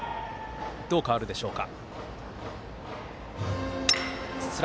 どう変わるでしょうか。